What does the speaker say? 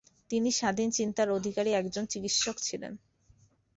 তিনি স্বাধীন চিন্তার অধিকারী একজন চিকিসক ছিলেন।